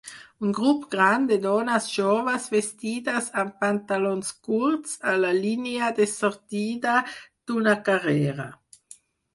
Un grup gran de dones joves vestides amb pantalons curts a la línia de sortida d'una carrera.